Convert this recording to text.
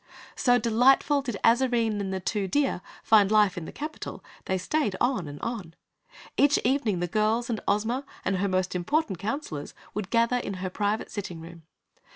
So delightful did Azarine and the two Deer find life in the capitol, they stayed on and on. Each evening, the girls and Ozma, and her most important counselors, would gather in her private sitting room.